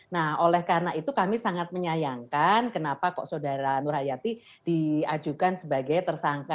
nah oleh karena itu kami sangat menyayangkan kenapa kok saudara nur hayati diajukan sebagai tersangka